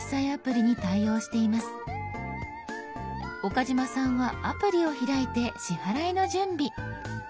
岡嶋さんはアプリを開いて支払いの準備。